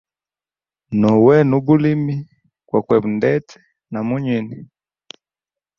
No wena ubulimi kwa kweba ndete na munyini.